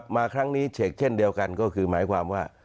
มาครั้งนี้เฉกเช่นเดียวกันก็คือหมายความว่า